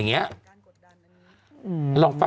พี่อีกต่อมาพี่อีกต่อมาพี่อีกต่อมาพี่อีกต่อมาพี่อีกต่อมา